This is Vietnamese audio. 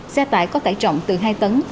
xe tải có tải trọng từ hai tấn